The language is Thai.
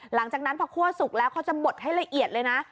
หลังจากนั้นพอคั่วสุกแล้วเขาจะบดให้ละเอียดเลยนะ